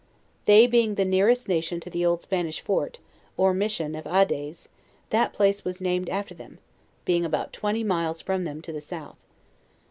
They being the near j est nation to the old Spanish fort, or Mission of Adaize, that place was named after them, being about twenty miles from them, to the south.